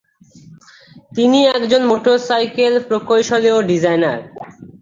তিনি একজন মোটরসাইকেল প্রকৌশলী এবং ডিজাইনার।